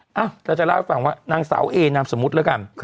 เราจะเล่าให้ฟังว่านางสาวเอนามสมมุติแล้วกัน